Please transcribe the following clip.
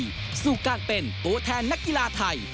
สู่การเป็นตัวแทนนักกีฬาไทย